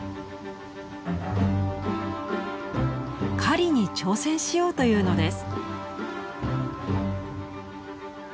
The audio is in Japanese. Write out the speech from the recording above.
狩りに挑戦しようというのです。